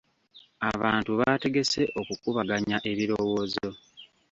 Abantu baategese okukubaganya ebirowoozo.